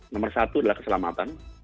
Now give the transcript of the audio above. nomor satu adalah keselamatan